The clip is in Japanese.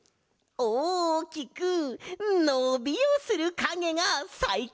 おおきくのびをするかげがさいこうとか？